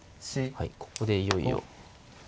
はいここでいよいよ。